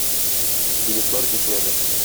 Билетлар җитмәде.